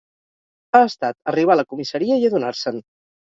Ha estat arribar a la comissaria i adonar-se'n.